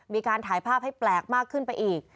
มีการถ่ายภาพให้แปลกมากขึ้นไปอีก